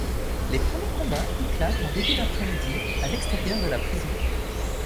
Les premiers combats éclatent en début d'après-midi à l'extérieur de la prison.